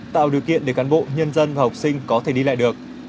tạo điều kiện để cán bộ nhân dân và học sinh có thể đi lại được